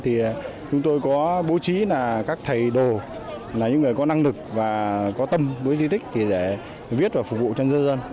thì chúng tôi có bố trí là các thầy đồ là những người có năng lực và có tâm với di tích để viết và phục vụ cho dân dân